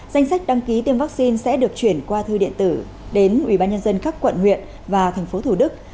danh sách đăng ký tiêm vaccine sẽ được chuyển qua thư điện tử đến ubnd các quận huyện và thành phố thủ đức